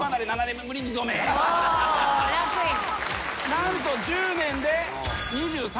何と１０年で。